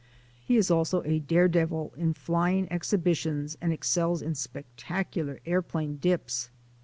He is also a dare devil in flying exhibitions and excels in spectacular airplane dips.